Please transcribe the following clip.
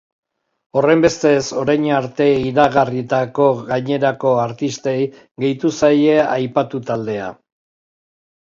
Horrenbestez, orain arte iragarritako gainerako artistei gehitu zaie aipatu taldea.